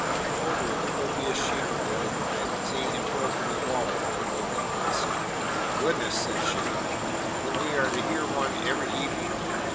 I told her of the copious sheaf of them I had seen him pull from his wallet over at the foreman's. "Goodness!" said she. "Then are we to hear one every evening?"